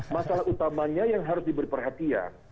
masalah utamanya yang harus diberi perhatian